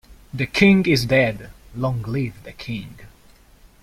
The king is dead, long live the king.